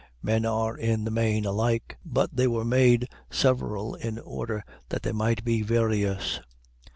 Men are in the main alike, but they were made several in order that they might be various.